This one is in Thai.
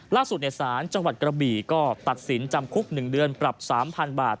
ล่าสุดสารจังหวัดกระบี่ก็ตัดสินจำคุก๑เดือนปรับ๓๐๐๐บาท